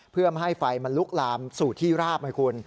เพื่อไม่ให้ไฟมันลุกลามสู่ที่ราบให้คุณ